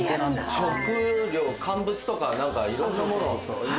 食料乾物とかいろんなものを。